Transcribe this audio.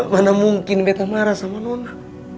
mana mungkin beta marah sama nona